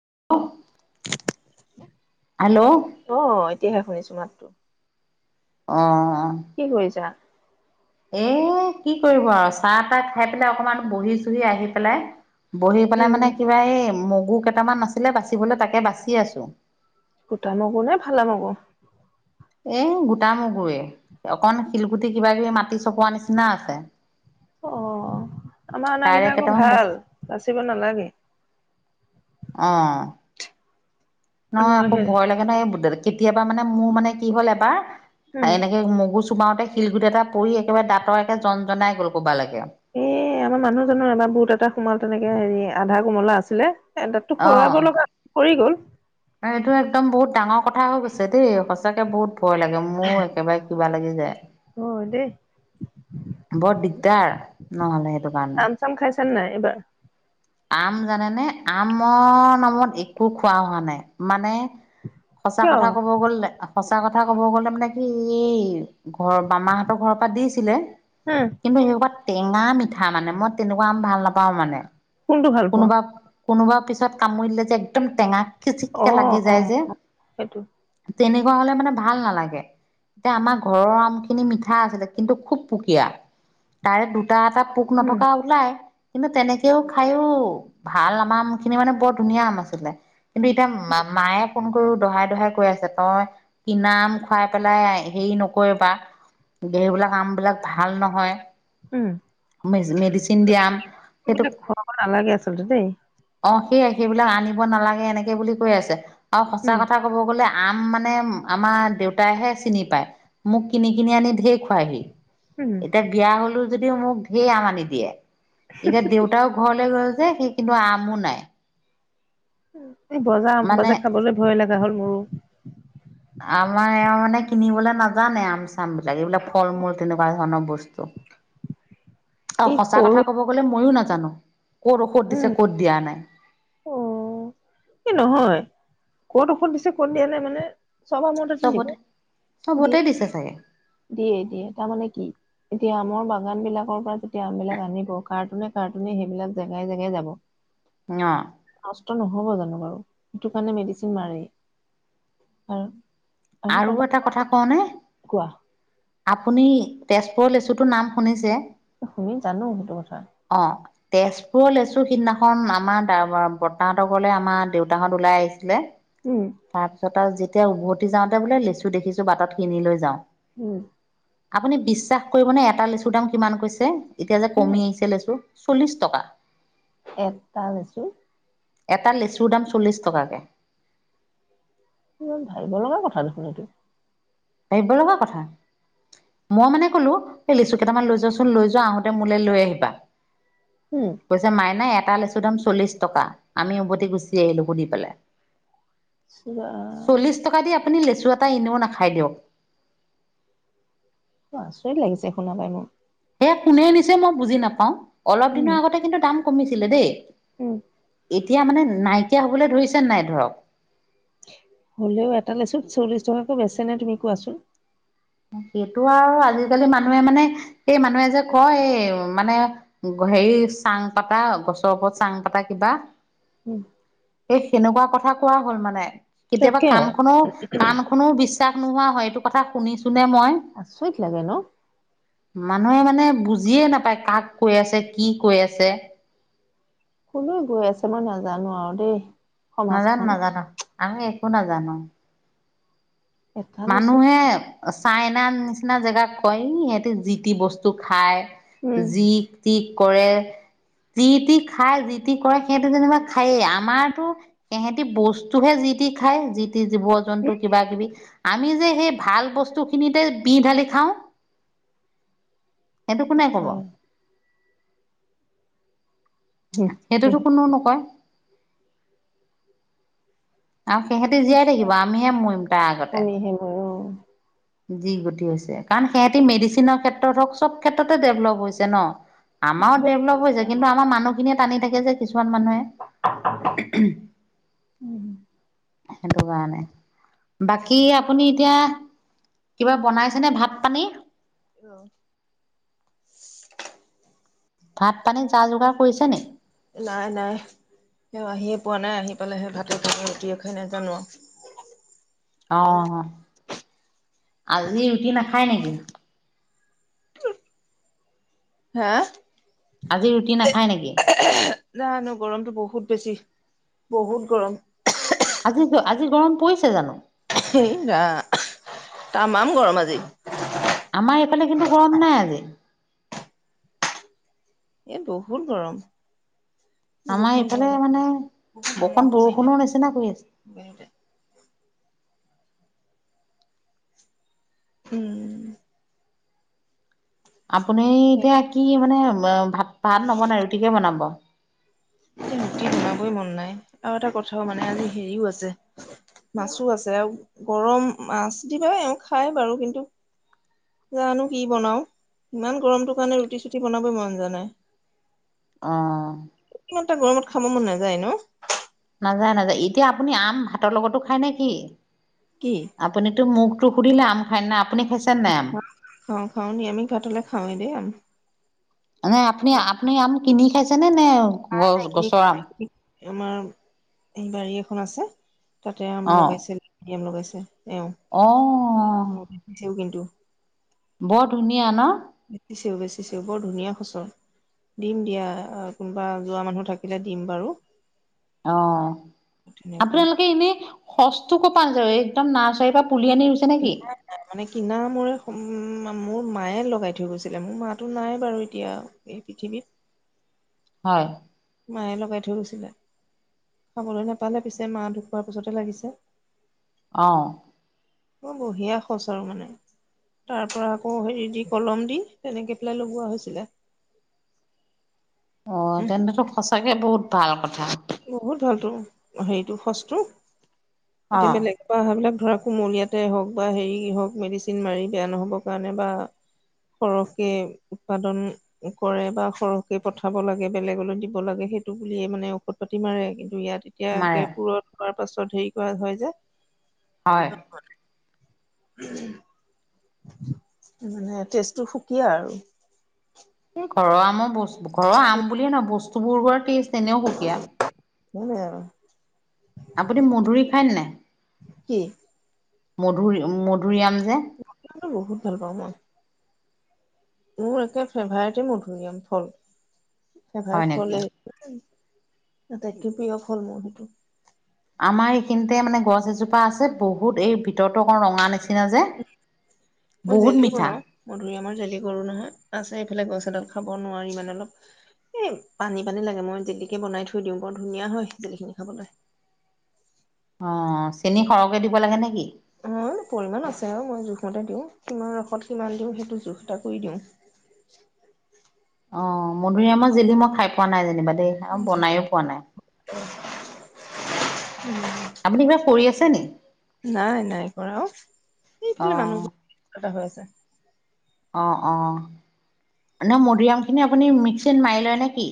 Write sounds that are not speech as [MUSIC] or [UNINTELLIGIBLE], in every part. [UNINTELLIGIBLE] অ', এতিয়াহে শুনিছো মাতটো। অ'। কি কৰিছা? এ কি কৰিব আৰু চাহ তাহ খাই পেলাই অকমান বহি চুহি আহি পেলাই। বহি পেলাই উম মানে কিবা এই মগু কেইটামান আছিলে বাচিবলৈ তাকে বাচি আছো। গোটা মগ নে ফালা মগু? এ গোটা মগুে অকন শিলগুটি কিবা কিবি মাটি চপোৱা নিচিনা আছে। অ', আমাৰ তাৰে আনাকেইটা আকৌ কেইটামান ভাল বাচি বাচিব নালাগে। অ', নহয় মই আকৌ হে ভয় লাগে নহয় এই বু কেতিয়াবা মানে মোৰ মানে কি হ'ল এবাৰ উম এনেকে মগুজ চুমাওঁতে শিলগুটি এটা পৰি একেবাৰে দাঁতৰে একে জ জনাই গ'ল ক'ব লাগে এ আমাৰ মানুহজনৰ আমাৰ ভূত এটা সোমাল তেনেকে হেৰি আধা কোমলা আছিলে। এ তাতো খুৱাব অ লগা কৰি গল। এইটো একদম বহুত ডাঙৰ কথা হৈ গৈছে দেই সঁচাকে বহুত ভয় লাগে মোৰ একেবাৰে কিবা লাগি যায়। হৈ দেই। বৰ দিগদাৰ নহ'লে কাৰণে চাম চাম খাইছ নাই এবাৰ। আম জানেনে আমৰ নামত একো খোৱা হোৱা নাই মানে সঁচা কিয় কথা ক'ব গ'লে সঁচা কথা ক'ব গ'লে মানে কি এই ঘৰৰ বামাহঁতৰ ঘৰৰ পৰা দিছিলে হা কিন্তু সেইা টেঙা মিঠি ঠা মানে মই তেনেকুৱা আম ভাল নাপাও মানে। কোনটো ভাল পোৱা? কোনোবা কোনোবা পিছত কামুৰিলে যে একদম টেঙা অ খিচিককে লাগি অ যায় যে সেইটো তেনেকুৱা হ'লে মানে ভাল নালাগে। এতিয়া আমাৰ ঘৰৰ আম খিনি মিঠা আছিলে কিন্তু খুব পুকীয়া তাৰে দুটা এটা এটা পোক উম নথকা ওলাই কিন্তু তেনেকেও খাইও ভাল আম আাম খিনি মানে বৰ ধুনীয়া আম আছিলে কিন্তু এতিয়া মায়ে ফোন কৰো দহাই দহাই কৈ আছে তই কিনাম খুৱাই পেলাই হেৰি নকৰিবা এইবিলাক আম বিলাক ভাল নহয় উম ম মেডিচিন দিয়া আম সেইটো এইবিলাক খুৱাব নালাগে আচলতে দেই অ সেয় সেইবিলাক আনিব নালাগে এনেকে বুলি কৈ আছে আৰু সঁচা উম কথা কব গ'লে আম মানে আমাৰ দেউতাইহে চিনি পায় মোক কিনি কিনি আনি ধেই খোৱায়হি। উম এতিয়া বিয়া হলো যদিও মোক ধে আম আনি দিয়ে। এতিয়া দেউতাও ঘৰলে গৈ সেই কিন্তু আমো নাই। গজা স মানে গজা খাবলৈ ভয় লগা হ'ল মোৰো আমাৰ এওঁ মানে কিনিবলৈ নাজানে আম চাম বিলাক এইবিলাক ফল মূল তেনেকুৱা। ধৰণৰ বস্তু আৰু এই সঁচা সৰু কথা কব গলে ময়ো নাজানো। ক'ত ঔষধ উম দিছে ক'ত দিয়া নাই। অ'। এই নহয় কত ঔষধ দিছে কত দিয়া নাই মানে চব [UNINTELLIGIBLE] চবতে চবতে দিছে চাগে দিয়ে দিয়ে তাৰমানে কি এতিয়া আমৰ ব বাগানবিলাকৰ পৰা যেতিয়া আনবিলাক আনিব কাৰ্টুনে কাৰ্টুনে সেইবিলাক জেগাই জেগাই যাব। ন নষ্ট নহ'ব জানো বাৰু সেইটো কাৰণে মেডিচিন মাৰেই আৰু আৰু এটা কথা কওঁনে? কোৱা আপুনি তেজপুৰৰ লেচুটোৰ নাম শুনিছে? তুমি জানো সেইটো কথা। অ', তেজপুৰৰ লেচু সিদিনাখন আমাৰ বৰ্তাহঁতৰ ঘৰলে আমাৰ দেউতাহঁত ওলাই আহিছিলে। উম তাৰ পিছত আৰু যেতিয়া উভতি যাওঁতে বোলে লেচু দেখিছো বাটত কিনি লৈ যাওঁ। উম। আপুনি বিশ্বাস কৰিবনেেএটা লেচুৰ দাম কিমান কৈছে এতিয়া যে কিমান কমি আহিছে লেচু চল্লিছ টকা একটা হৈছো এটা লিচুৰ দাম চল্লিছ টকাকে। ভাবিব লগা কথা দেখুন তো [UNINTELLIGIBLE] মই মানে কলো লেচু কেইটামান লৈ যোৱাচোন লৈ যোৱা আহোতে মোলৈ লৈ আহিবা উম কৈছো মাই নাই এটা লৈছো দম চল্লিশ টকা আমি উভতি গুচি আহিলো সুধি পেলাই ইৰ্চিৰাম! চল্লিশ [UNINTELLIGIBLE] আচৰিত লাগিছে শুনা পাই মোৰ। সেয়া কোনে নিছে মই বুজি নাপাওঁ। অলপ উম দিনৰ আগতে কিন্তু দাম কমিছিলে দেই। উম। এতিয়া মানে নাইকিয়া হবলৈ ধৰিছেনে নাই ধৰক হ'লেও এটা লৈচোন চল্লিশ টকাকৈ বেচ নে তুমি কোৱাচোন? সেইটো আৰু আজিকালি মানুহে মানে সেই মানুহে যে কয় এই মানে হেৰি চাং পাতা গছৰ ওপৰত চাং পাতা কিবা উম এ সেনেকুৱা কথা কোৱা হ'ল মানে কেতিয়াবা তাকে কাণ খনো কাণ খনো বিশ্বাস নোহোৱা হয় এইটো কথা শুনিছো আছইত লাগে ন মানুহে মানে বুজিয়ে নাপায় কাক কৈ আছে কি কৈ আছে। কলৈ গৈ আছে মই নাজানো আৰু দেই। নাজানো - সমাজখন নাজানো আমি একো নাজানো। এটা লেচুত মানুহে চাইনা নিচিনা জেগাক কয় ই সিহতে যি টি বস্তু খায়। উম, যি টি কৰে যিটি খায় যি যিটি কৰে সিহতে যেনিবা খায়েই আমাৰতো সিহেতি বস্তুহে যি টি খায় যি। জীৱ জন্তু কিবা কিবি আমি যে সেই ভাল বস্তু খিনিতে বিহ ঢালি খাও। সেইটো কোনে কব। সেইটোতো কোনো নকয়। আৰু সিহতি জীয়াই থাকিব আমিহে মৰিম তাৰ আগতে। কমিহে ময়ো যি গতি হৈছে কাৰণ সিহতি মেডিচিনৰ ক্ষেত্ৰত হওক চব ক্ষেত্ৰতে ডেভলপ হৈছে ন। আমাৰো ডেভেলপ হৈছে কিন্তু আমাৰ মানুহখিনিয়ে টানি থাকে কিচু কিছুমান মানুহে উম। সেইটো কাৰণে বাকী আপুনি এতিয়া কিবা বনাইছেনে ভাত পানী। অ ভাত পানী যা যোগাৰ কৰিছে নে। নাই - নাই। এও আহিয়ে পোৱা নাই আহি পালে ভাতৰ খাই নে ৰুটিয়ে খাই নাজানো আৰু অ, আজি ৰুটি নাখায় নেকি? হাহ আজি ৰুটি নাখায় নেকি? জানো গৰমতটো বহুত বেছি বহুত গৰম। আজি - আজি গৰম পৰিছে জানো। এই ৰাম তামাম গৰম আজি। আমাৰ এইফালে কিন্তু গৰম নাই আজি। এ বহুত গৰম। আমাৰ বহুত এইফালে গৰম মানে বহুত বকণ মৰমসে মাৰিলে। বৰষুণৰ নিচিনা কৰি আছে। বাহিৰতে [INAUDIBLE] উম, আপুনি এতিয়া কি মানে ভাত - ভাত নবনাই ৰুটিকে বনাব। এ ৰুটি বনাবই মন নাই আৰু এটা কথাও মানে আজি হেৰিও আছে। মাছো আছে আৰু গৰম মাছ কি কয় খাই বাৰু কিন্তু জানো কি বনাও ইমান গৰমটো কাৰণে ৰুটি চুটি বনাবই মন যোৱা নাই। অ', ইমান এটা গৰমত খাব মন নাযায় ন। নাযায় - নাযায় এতিয়া আপুনি আম ভাতৰ লগতো খায় নে কি কি আপুনিতো মুখ নুখুধিলে আম খায় নে আপ অ, খা - খা খাও নি আমি কাটিলে খাওৱেই দেই আম। নে আপুনি - আপুনি আম কিনি খাইছেনে নে গছ নাই কিনি গছৰ খোৱা আম। নাই কিনি আমাৰ এই বাৰী এখন আছে তাতে আম অঁ লগাইছিল ল লগাইছে। অঁ এও বেছেও কিন্তু বৰ ধুনীয়া ন। বেচিছেও বেচিছেও বৰ ধুনীয়া সচৰ। দিম দিয়া কোনোবা যোৱা মানুহ থাকিলে দিম বাৰু। অ, তেনেকুৱা আপোনালোকে এনে সচ টো ক'ৰ পৰা আনিছে একদম নাৰ্চাৰীৰ পৰা পুলি আনি ৰুইছে নেকি? মানে কিনা মোৰে উম, মোৰ মায়ে লগাই থৈ গৈছিলে মোৰ মাতো নাই বাৰু এতিয়া এই পৃথিৱীত। [INAUDIBLE] হয়। মায়ে লগাই থৈ গৈছিলে খাবলৈ নাপালে পিছে মাহ খ খোৱাৰ পিছতে লাগিছে আহ মৰ বঢ়িয়া খচ আৰু মানে তাৰ পৰা আকৌ হেৰি দি কলম দি তেনেকে পেলাই লগোৱা হৈছিলে। [INAUDIBLE] অ' উম তেন্তে সঁচাকে বহুত ভাল কথা। টো হেৰিটো ফসটো এতিয়া অঁ বেলেগেইবলাক ধৰা কুমলীয়াতেই হওক বা হেৰি হওক মেডিচিন মাৰি বেয়া নহ'বৰ কাৰণে বা সৰহকে উৎপাদন কৰে বা সৰহকে পঠাব লাগে বেলেগলৈ দিব লাগে সেইটো বুলিয়ে মানে ট পাতি মাৰে কিন্তু ইয়াত মাৰে এতিয়াপুৰত হোৱাৰ পাছত হেৰি কৰা হয় যে হয়। মানে তেজটো সুকীয়া আৰু এই ঘৰৰ আমৰ বস্তু ঘৰৰ আম বুলিয়ে ন বস্তুবোৰ কৰা টেষ্ট এনেও সুকীয়া [UNINTELLIGIBLE] আপুনি মধুৰি খায় নে কি মধুৰি মধুৰি আম বহুত ভাল পাওঁ মই। মোৰ একে ফেভাৰটে মধুৰিআম ফল হয় ফেভাৰেট নেকি? ফলে। আটাইকে প্ৰিয় ফল মোৰ সেইটো আমাৰ এইখিনিতে মানে গছ এজোপা আছে বহুত এই ভিতৰতো অকণ ৰঙা নিচিনা কিনা যে বহুত মিঠা। হেি কৰো নহয় আছে এইফালে গ চডত খাব নোৱাৰি মানে অলপ এই পানী পানী লাগে মই জেলিকে বনাই থৈ দিওঁ বৰ ধুনীয়া হয় জেলিখিনি খাবলৈ। অ চেনি সৰহকে দিব লাগে নেকি অ মানে পৰিমাণ আছে আৰু মই জোখমতে দিওঁ কিমান ৰসত কিমান দিম সেইটো জোখ এটা কৰি দিওঁ। অ মধুৰিআমৰ জিলি মই খাই পোৱা নাই যেনিবা দেই আৰু বনাইো পোৱা নাই উম। আপুনি কিবা কৰি আছেনে? নাই নাই কৰা অ এইফালে মানুহবোৰ এ হৈ আছে। অঁ অঁ ন মধুৰিআমখিনি আপুনি মিক্সিত মাৰি লয় নে কি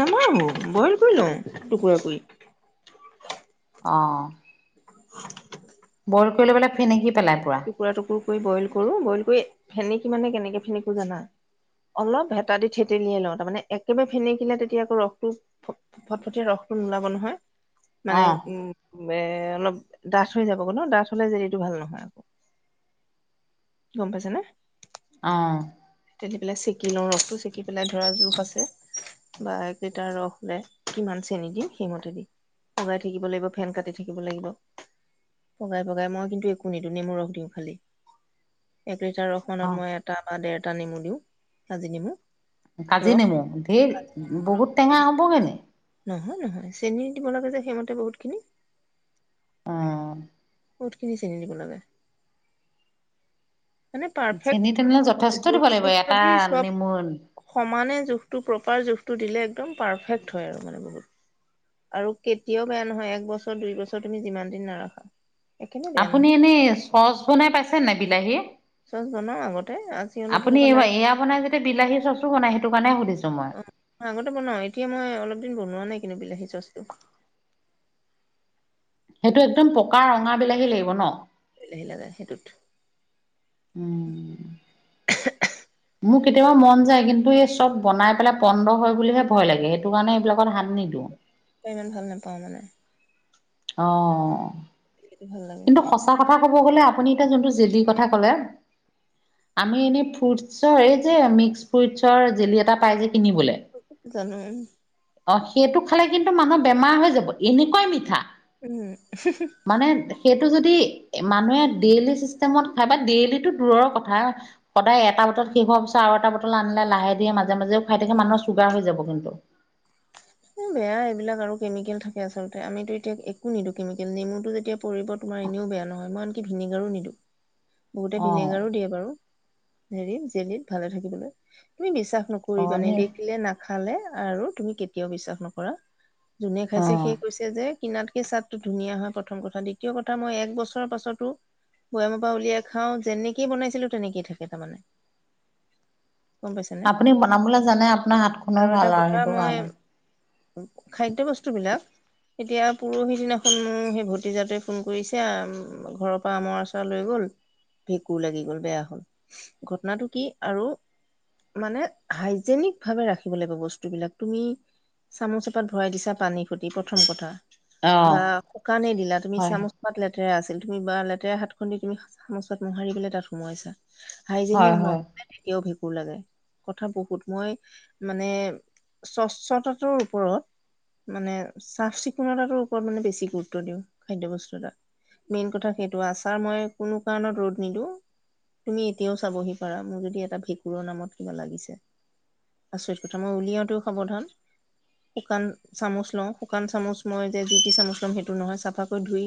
নামাৰো বইল কৰি লওঁ টুকুৰা কৰি অঁ বইল কৰি লৈ পেললে ফে নকি টুকুৰা টুকুৰ কৰি বইল কৰো বইল কৰি ফেনে কি মানে কেনেকে ফেনিকো জানা অলপ হেতা দি থেতেেলিয়াই লওঁ তাৰ মমানে একেবাৰে ভেনে কিিলে তেতিয়া আকৌ ৰসটো ফটফটিয় ৰস নোলাব নহয়। মানে অ' উম এ অলপ ডাঠ হৈ যাব গ' ন ডাঠ হলে যেদি এইটো ভাল নহয়। গম পাইছে নে অ'। তে পেলাই চেকি লওঁ ৰসটো চেকি পেলাই ধৰা জোখ আছে বা এক লিটাৰ ৰস লে কিমান চেনি দিম সেইমতে দি উলাই থাকিব লাগিব ফেন কাটি থাকিব লাগিব পগাই পগাই মই কিন্তু একো নিদিো নেম ৰস দিওঁ খালি িটাৰসমানত অ' মই এটা বা ডেৰ এটা নেমু দিওঁ আাজি নেমু কাজি ৰস নেমু ধেৰ বহুত টেঙা দিওঁ। হ'ব গে নে? নহয় নহয় চেনী দিব লাগে যে সেইমতে বহুতখিনি। অ'। কতখিনি চিনি দিব লাগে। মানে চেনি তেনেহ'লে পাৰফেক্ট যথেষ্ট দিব জখ লাগিব চুখ এটা যদি চব নেমু সমানে জোখটো প্ৰপাৰ জোখটো দিলে, একদম পাৰফেক্ট হয় আৰু মানে বহুত। আৰু কেতিয়াও বেয়া নহয়, এক বছৰ দুই বছৰ তুমি যিমান দিন নাৰাখা। একেবাৰে বেয়া আপুনি নহয় এনে চচ বনাই পাইছে নে নাই বিলাহী? চচ বনাও আগতে আজি অলপ দিনৰ আপুনি পৰা নাই এইবাৰ এয়া বনাই যেতিয়া বিলাহী চচো বনাই সেইটো কাৰণে সুধিছোঁ। অ' আগতে বনাও, এতিয়া মই অলপ দিন বনোৱা নাই কিন্তু বিলাহী চচটো। সেইটো একদম পকা ৰঙা বিলাহী লাগিব ন। বিলাহী লাগা সেইটোত। উম। মোৰ কেতিয়াবা মন যায়, কিন্তু এই চব বনাই পেলাই পণ্ড হয় বুলিহে ভয় লাগে সেইটো কাৰণে এইবিলাকত হাত নিদিওঁ। ইমান ভাল নাপাও মানে। অ' সেইটো ভাল লাগে কিন্তু খাই সঁচা কথা ক'ব ক'ব গলে আপুনি এতিয়া যোনটো জেলীৰ কথা ক'লে আমি এনেই ফ্ৰুটছৰ এই যে মিক্স ফ্ৰুটছৰ জেলি এটা পাই যে। কিনিবলে জানো। অ' সেইটো খালে কিন্তু মানুহ বেমাৰ হৈ যাব এনেকুৱাই মিঠা। উম। মানে সেইটো যদি মানুহে ডেইলি চিষ্টেমত খায় বা ডেইলিটো দূৰৰ কথা সদায় এটা বটল শেষ হোৱাৰ পিছত আৰু এটা বটল আনিলে লাহে দিৰে মাজে মাজেও খাই থাকে মানুহ চুগাৰ হৈ যাব কিন্তু। [INAUDIBLE] উম বেয়া এইবিলাক আৰু কেমিকেল থাকে আচলতে। আমিতো এতিয়া একো নিদো কেমিকেল নেমুটো যেতিয়া পৰিব তোমাৰ এনেও বেয়া নহয় মই আনকি ভিনিগাৰো নিদিওঁ। বহুতে অ ভিনিগাৰো দিয়ে বাৰু হেৰি জেলিত ভালে থাকিবলৈ [UNINTELLIGIBLE] মিছা বিশাস অ নকৰিবা নি নেদেখিলে নাখালে আৰু তুমি কেতিয়াও বিশ্বাস নকৰা। যোনে অ খাইছে সেই কৈছে যে কিনাতকে চাদটো ধুনীয়া হয়, প্ৰথম কথা দ্বিতীয় কথা মই এক বছৰৰ পাছতো বৈয়ামৰ পৰা উলিয়াই খাও, যেনেকেই বনাইছিলো তেনেকেই থাকে তাৰমানে। গম পাইছানে আপুনি বনাবলে জানে আপোনাৰ হাত খনো এটা ভাল আৰু কথা সেইটো মই কাৰণে। খাদ্য বস্তু বিলাক এতিয়া পোৰহিদিনাখন মোক সেই ভতিজাটোৱে ফোন কৰিছে ঘৰৰ পৰা আমৰ আছাৰ লৈ গ'ল। ভেঁকুৰ লাগি গ'ল বেয়া হ'ল, ঘটনাটো কি আৰু মানে হাইজেনিক ভাৱে ৰাখিব লাগিব বস্তুবিলাক তুমি চামুচ এপাত ভৰাই দিছা, পানী খুটি প্ৰথম কথা। অ বা শুকানেই দিলা তুমি হয় চামুচ পাত লে লেতেৰা আছিল, তুমি বা লেতেৰা হাত খন দি তুমি চামুচপাত মোহাৰি কেলে তাত সোমোৱাইছা। হয় হাইজেনিক ন হয় [UNINTELLIGIBLE] ভুল লাগে কথা বহুত মই মানে স্বচ্ছতাটোৰ ওপৰত মানে চাফ চিকুণতাৰ ওপৰত মানে বেছি গুৰুত্ব দিওঁ, খাদ্য বস্তু এটাত। মেইন কথা সেইটো আছাৰ মই কোনো কাৰণত ৰ'দ নিদিওঁ। তুমি এতিয়াও চাবহি পাৰা মোৰ যদি এটা ভেঁকুৰৰ নামত কিবা লাগিছে। আচৰিত কথা মই উলিয়াওটো সাৱধান শুকান চামুচ লওঁ, শুকান চামুচ মই যে যি টি চামুচ লম সেইটো নহয় চাফাকৈ ধুই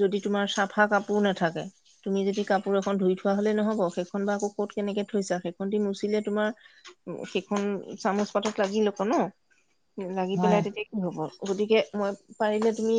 যদি তোমাৰ চাফা কাপোৰ নাথাকে, তুমি যদি কাপোৰ এখন ধুই থোৱা হলে নহব, সেইখন বা আকৌ ক'ত কেনেকে থৈ যাক সেইখন দি মুচিলে তোমাৰ সেইখন চামুচ পাতত লাগি ল'ব ন। লাগি হয় পেলাই তেতিয়া কি হ'ব, গতিকে মই পাৰিলে তুমি